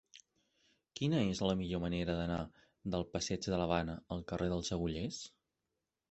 Quina és la millor manera d'anar del passeig de l'Havana al carrer dels Agullers?